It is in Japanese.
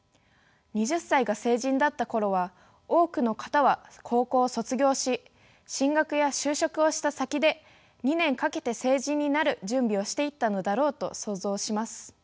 ２０歳が成人だった頃は多くの方は高校を卒業し進学や就職をした先で２年かけて成人になる準備をしていったのだろうと想像します。